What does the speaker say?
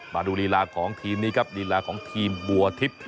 มาดูลีลาของทีมนี้ครับลีลาของทีมบัวทิพย์